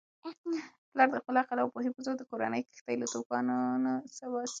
پلارد خپل عقل او پوهې په زور د کورنی کښتۍ له توپانونو باسي.